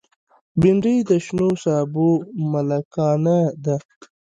بېنډۍ د شنو سابو ملکانه ده